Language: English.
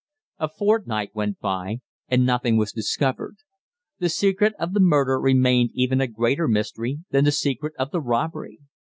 A fortnight went by, and nothing was discovered. The secret of the murder remained even a greater mystery than the secret of the robbery.